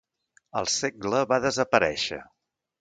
Al segle va desaparèixer.